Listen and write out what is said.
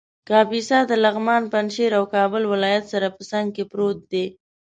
کاپیسا د لغمان ، پنجشېر او کابل ولایت سره په څنګ کې پروت دی